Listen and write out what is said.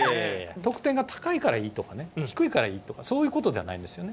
得点が高いからいいとか、低いからいいとか、そういうことじゃないんですよね。